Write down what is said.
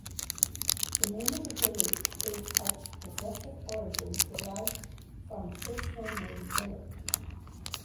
The name of the village is of possessive origins derived from personal name "Milik".